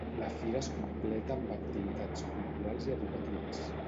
La fira es completa amb activitats culturals i educatives.